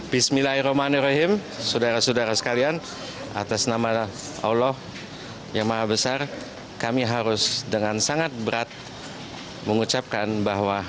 bismillahirrahmanirrahim saudara saudara sekalian atas nama allah yang maha besar kami harus dengan sangat berat mengucapkan bahwa